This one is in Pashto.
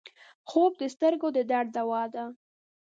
خوب د سترګو د درد دوا ده